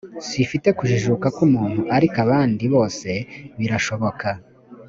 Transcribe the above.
simfite kujijuka nk’umuntu ariko abandi bose birashoboka